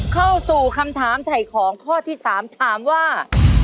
เข้าสู่คำถามถ่ายของข้อที่๓ถามว่า